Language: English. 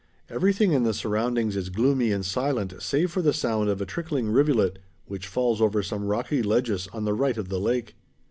Everything in the surroundings is gloomy and silent save for the sound of a trickling rivulet which falls over some rocky ledges on the right of the lake.